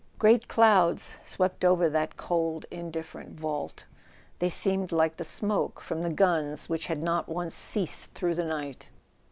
Great clouds swept over that cold indifferent vault: they seemed like the smoke from the guns which had not once ceased through the night.